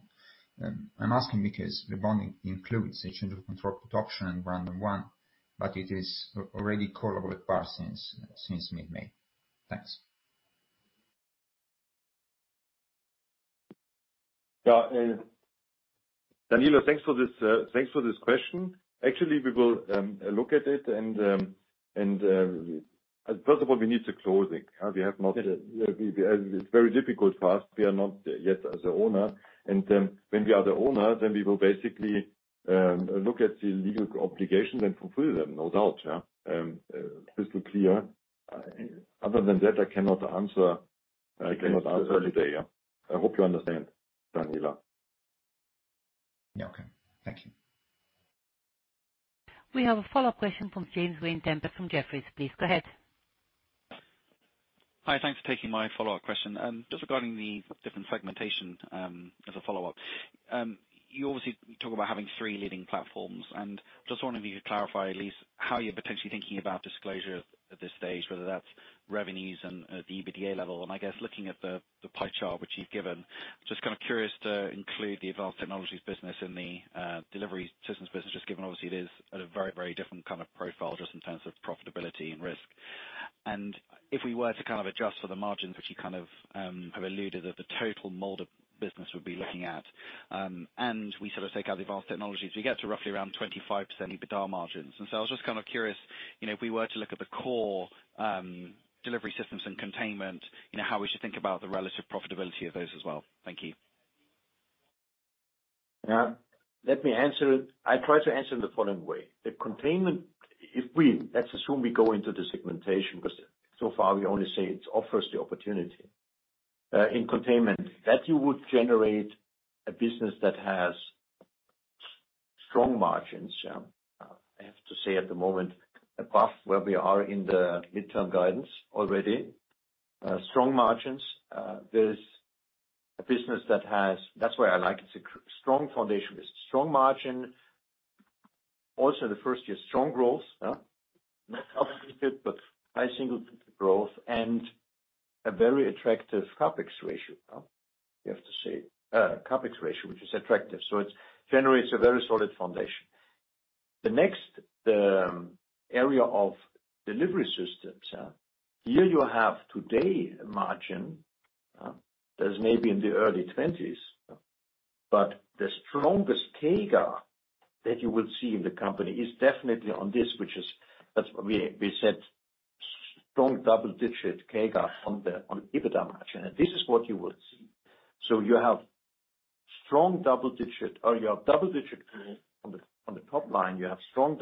I'm asking because the bond includes a change of control provision and put option, but it is already callable at par since mid-May. Thanks. Yeah, Danilo, thanks for this, thanks for this question. Actually, we will look at it and, and first of all, we need to close it. It's very difficult for us. We are not yet as a owner. And when we are the owner, then we will basically look at the legal obligations and fulfill them, no doubt, yeah, crystal clear. Other than that, I cannot answer, I cannot answer today, yeah. I hope you understand, Danilo. Yeah, okay. Thank you. We have a follow-up question from James Vane-Tempest from Jefferies. Please, go ahead. Hi, thanks for taking my follow-up question. Just regarding the different segmentation, as a follow-up, you obviously talk about having three leading platforms, and just wondering if you could clarify at least how you're potentially thinking about disclosure at this stage, whether that's revenues and at the EBITDA level. And I guess looking at the pie chart which you've given, just kind of curious to include the advanced technologies business in the delivery systems business, just given obviously it is at a very, very different kind of profile just in terms of profitability and risk. And if we were to kind of adjust for the margins, which you kind of have alluded, that the total molded business would be looking at, and we sort of take out the advanced technologies, we get to roughly around 25% EBITDA margins. I was just kind of curious, you know, if we were to look at the core delivery systems and containment, you know, how we should think about the relative profitability of those as well. Thank you. Yeah, let me answer it. I try to answer in the following way. The containment. Let's assume we go into the segmentation, because so far we only say it offers the opportunity. In containment, that you would generate a business that has strong margins, yeah. I have to say at the moment, above where we are in the midterm guidance already, strong margins. There's a business that has... That's why I like it. It's a strong foundation with strong margin. Also, the first year, strong growth, not obviously, but high single growth and a very attractive CapEx ratio, huh? You have to say, CapEx ratio, which is attractive, so it generates a very solid foundation. The next area of delivery systems, here you have today a margin that is maybe in the early 20s. But the strongest CAGR that you will see in the company is definitely on this, which is, that's what we said, strong double-digit CAGR on the EBITDA margin, and this is what you will see. So you have strong double-digit growth on the top line, you have strong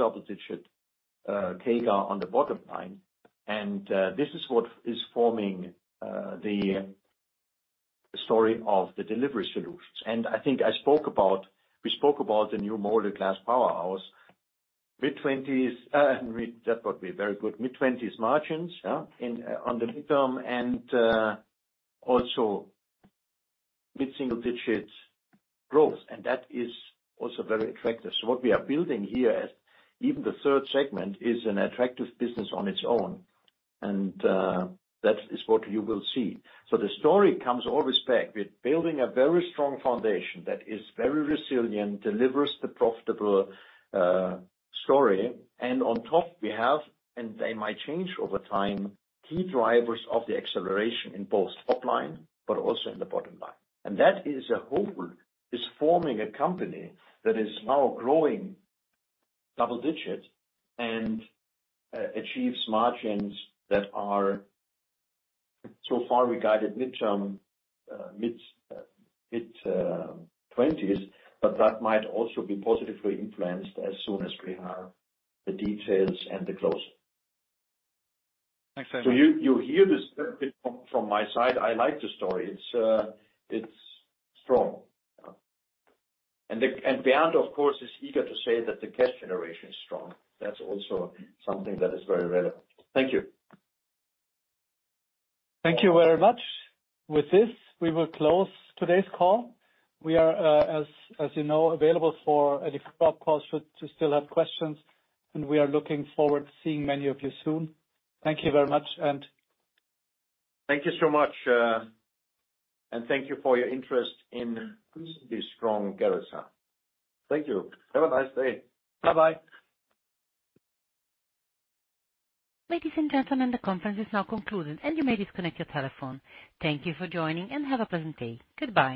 double-digit CAGR on the bottom line. And this is what is forming the story of the delivery solutions. And I think I spoke about, we spoke about the new molded glass powerhouse, mid-20s, and we, that would be very good, mid-20s margins, yeah, in the mid-term, and also mid-single-digit growth, and that is also very attractive. So what we are building here, as even the third segment, is an attractive business on its own, and that is what you will see. So the story comes always back. We're building a very strong foundation that is very resilient, delivers the profitable story, and on top we have, and they might change over time, key drivers of the acceleration in both top line, but also in the bottom line. And that as a whole is forming a company that is now growing double-digit and achieves margins that are so far regarded mid-term mid-twenties, but that might also be positively influenced as soon as we have the details and the close. Thanks, [Rainer]. So you hear this from my side. I like the story. It's strong. And Bernd, of course, is eager to say that the cash generation is strong. That's also something that is very relevant. Thank you. Thank you very much. With this, we will close today's call. We are, you know, available for any follow-up calls, should you still have questions, and we are looking forward to seeing many of you soon. Thank you very much, and- Thank you so much, and thank you for your interest in the strong Gerresheimer. Thank you. Have a nice day. Bye-bye. Ladies and gentlemen, the conference is now concluded, and you may disconnect your telephone. Thank you for joining, and have a pleasant day. Goodbye.